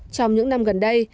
trong những năm gần đây